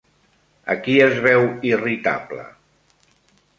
A qui es veu irritable?